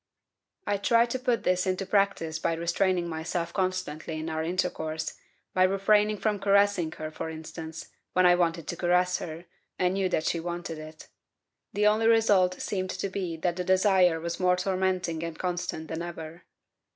I tried to put this into practice by restraining myself constantly in our intercourse, by refraining from caressing her, for instance, when I wanted to caress her and knew that she wanted it. The only result seemed to be that the desire was more tormenting and constant than ever.